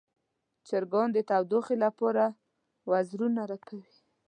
چرګان د تودوخې لپاره وزرونه رپوي.